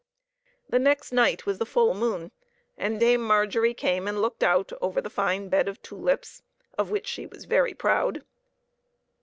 The next night was full moon, and Dame Margery came and looked out over the fine bed of tulips, of which she was very proud.